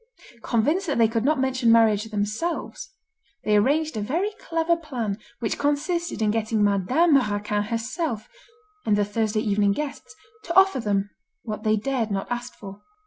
Convinced that they could not mention marriage themselves, they arranged a very clever plan which consisted in getting Madame Raquin herself, and the Thursday evening guests, to offer them what they dared not ask for.